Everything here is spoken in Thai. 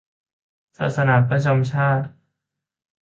ศาสนาประจำชาติ